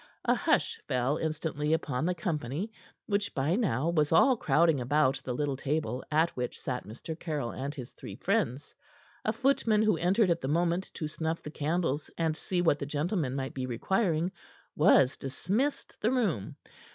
A hush fell instantly upon the company, which by now was all crowding about the little table at which sat Mr. Caryll and his three friends. A footman who entered at the moment to snuff the candles and see what the gentlemen might be requiring, was dismissed the room.